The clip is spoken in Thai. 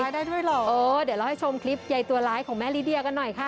เดี๋ยวเราให้ชมคลิปใยตัวร้ายของแม่ลิเดียกันหน่อยค่ะ